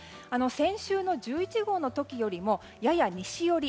先週の１１号の時よりもやや西寄り。